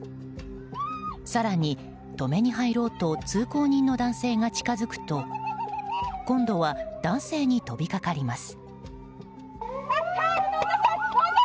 更に、止めに入ろうと通行人の男性が近づくと今度は男性に飛び掛かります。